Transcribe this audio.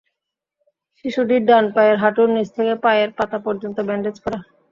শিশুটির ডান পায়ের হাঁটুর নিচ থেকে পায়ের পাতা পর্যন্ত ব্যান্ডেজ করা।